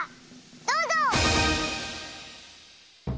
どうぞ！